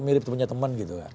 mirip temennya teman gitu kan